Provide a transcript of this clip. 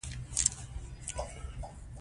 د تلو پر مهال له پلي لارو ګټه واخلئ.